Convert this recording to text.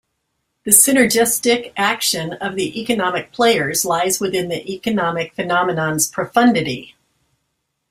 The synergistic action of the economic players lies within the economic phenomenon's profundity.